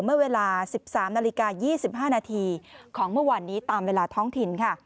เมื่อเวลา๑๓นาฬิกา๒๕นาทีของเมื่อวานนี้ตามเวลาท้องถิ่นค่ะ